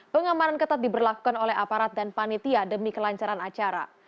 pengamanan ketat diberlakukan oleh aparat dan panitia demi kelancaran acara